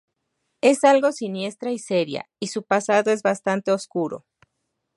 Es algo siniestra y seria, y su pasado es bastante oscuro.